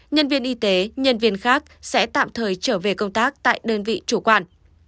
nhân viên y tế nhân viên khác sẽ tạm thời trở về công tác tại đơn vị chủ quản